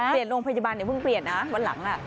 เปลี่ยนโรงพยาบาลเดี๋ยวเพิ่งเปลี่ยนนะวันหลังล่ะ